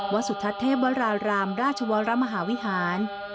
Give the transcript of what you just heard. วัดสุทัศน์เทพวรรารามราชวรรมหาวิฮาน